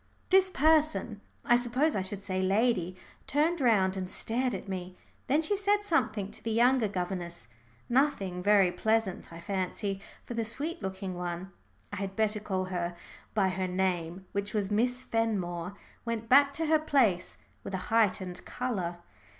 This person I suppose I should say lady turned round and stared at me. Then she said something to the younger governess, nothing very pleasant, I fancy, for the sweet looking one I had better call her by her name, which was Miss Fenmore went back to her place with a heightened colour.